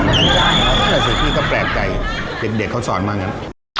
น้ำลายห่อนนี่ก็แปลกใจเด็กเด็กเขาสอนมากนั้น